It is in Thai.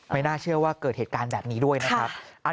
น่าเชื่อว่าเกิดเหตุการณ์แบบนี้ด้วยนะครับ